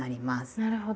なるほど。